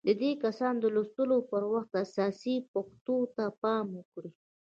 د دې کيسې د لوستلو پر وخت اساسي پېښو ته پام وکړئ.